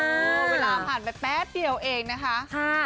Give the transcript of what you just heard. เวลาผ่านไปแป๊บเดียวเองนะคะ